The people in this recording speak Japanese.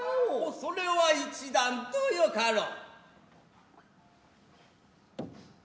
それは一段とよかろう。